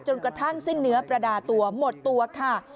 กระทั่งสิ้นเนื้อประดาตัวหมดตัวค่ะ